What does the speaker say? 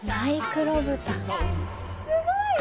すごい！